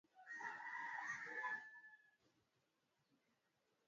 Kuya na mashamba ni haki ya mwanamuke nayo